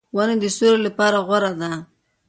• ونه د سیوری لپاره غوره ده.